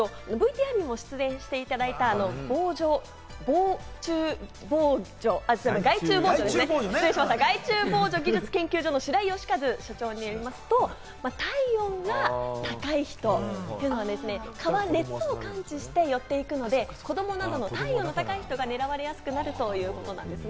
蚊に刺されやすい人、ＶＴＲにも登場していただきました、害虫防除技術研究所の白井良和所長によりますと、体温が高い人、蚊は熱を感知して寄っていくので、子どもなどの体温の高い人が狙われやすくなるということなんです。